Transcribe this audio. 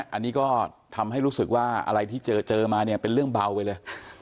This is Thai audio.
อันนี้ก็ทำให้รู้สึกว่าอะไรที่เจอเจอมาเนี่ยเป็นเรื่องเบาไปเลย